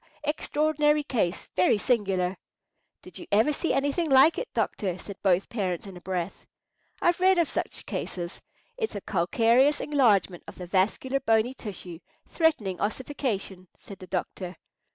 extraordinary case; very singular." "Did you ever see anything like it, doctor?" said both parents in a breath. "I've read of such cases. It's a calcareous enlargement of the vascular bony tissue, threatening ossification," said the doctor.